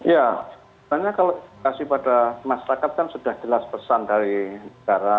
ya sebenarnya kalau kasih pada masyarakat kan sudah jelas pesan dari negara